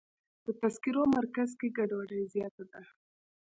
د تذکرو مرکز کې ګډوډي زیاته ده.